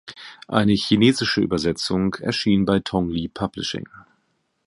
Eine chinesische Übersetzung erschien bei Tong Li Publishing.